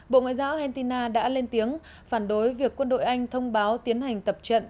bộ ngoại giao argentina đã lên tiếng phản đối việc quân đội anh thông báo tiến hành tập trận